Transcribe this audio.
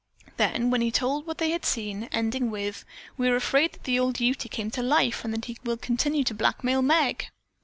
He then told what they had seen, ending with, "We're afraid that old Ute came to life, and that he will continue to blackmail Meg."